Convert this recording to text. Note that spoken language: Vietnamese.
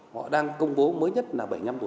họ đang công bố mới nhất là bảy mươi năm tuổi